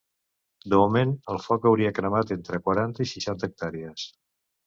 De moment el foc hauria cremat entre quaranta i seixanta hectàrees.